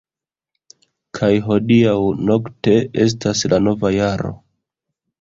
Kaj hodiaŭ-nokte estas la nova jaro!